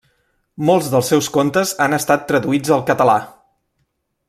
Molts dels seus contes han estat traduïts al català.